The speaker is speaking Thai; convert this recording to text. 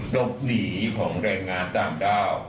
หลบหนีของเรียนงานตามด้าว